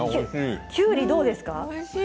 きゅうりはどうですか？